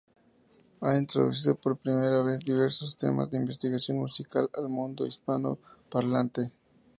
Ha introducido por primera vez diversos temas de investigación música al mundo hispano parlante.